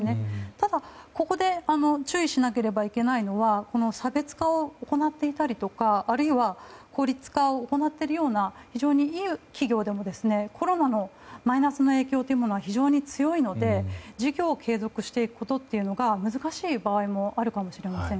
ただ、ここで注意しなければいけないのはこの差別化を行っていたりとかあるいは効率化を行っているような非常にいい企業でもコロナのマイナスの影響が非常に強いので事業継続していくことが難しい場合もあるかもしれません。